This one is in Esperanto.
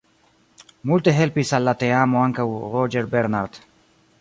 Multe helpis al la teamo ankaŭ Roger Bernard.